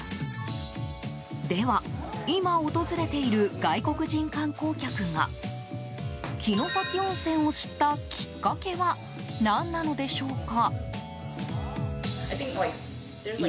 では、今訪れている外国人観光客が城崎温泉を知ったきっかけは何なのでしょうか。